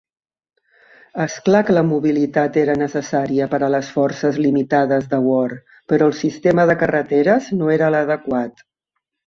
És clar que la mobilitat era necessària per a les forces limitades de Ward, però el sistema de carreteres no era l'adequat.